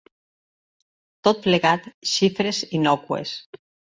Tot plegat, xifres innòcues.